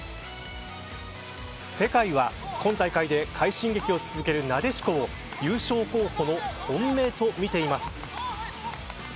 世界は今大会で快進撃を続けるなでしこを優勝候補の本命とみています。